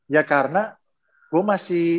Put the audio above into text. ya karena gue masih